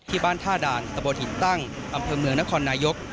ท่าด่านตะบนหินตั้งอำเภอเมืองนครนายก